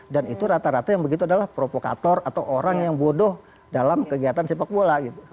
dan itu rata rata yang begitu adalah provokator atau orang yang bodoh dalam kegiatan sepak bola